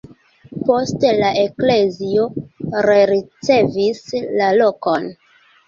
Poste la eklezio rericevis la lokon.